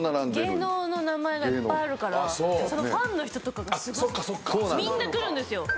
芸能の名前がいっぱいあるからそのファンの人とかがみんな来るんですよ。